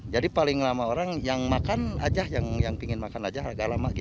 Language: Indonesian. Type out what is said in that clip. jadi paling lama orang yang makan saja yang ingin makan saja tidak lama